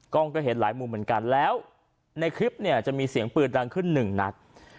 ก็เห็นหลายมุมเหมือนกันแล้วในคลิปเนี่ยจะมีเสียงปืนดังขึ้นหนึ่งนัด